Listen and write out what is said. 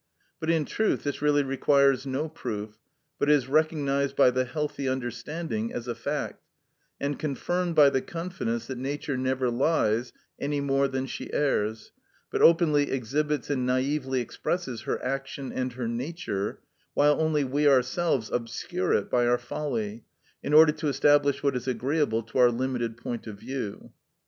But, in truth, this really requires no proof, but is recognised by the healthy understanding as a fact, and confirmed by the confidence that Nature never lies any more than she errs, but openly exhibits and naïvely expresses her action and her nature, while only we ourselves obscure it by our folly, in order to establish what is agreeable to our limited point of view.